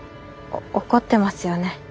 怒ってますよね？